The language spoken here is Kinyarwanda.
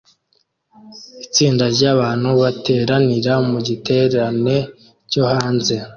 Itsinda ryabantu bateranira mu giterane cyo hanze